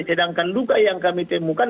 sedangkan luka yang kami temukan